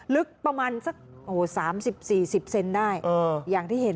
ลึกประมาณสัก๓๐๔๐เซนได้อย่างที่เห็น